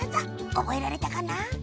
おぼえられたかな？